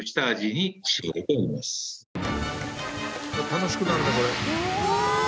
楽しくなるねこれ。